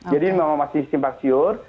jadi memang masih simpang siur